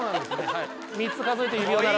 ３つ数えて指を。